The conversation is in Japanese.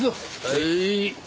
はい。